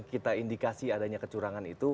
kita indikasi adanya kecurangan itu